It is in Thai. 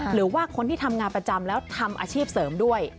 หรือว่าคนที่ทำงานประจำแล้วทำอาชีพเสริมด้วย